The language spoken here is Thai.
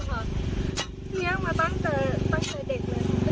เหนี้ยมาตั้งแต่เด็กเลยครับ